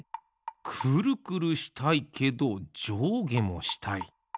クルクルしたいけどじょうげもしたい。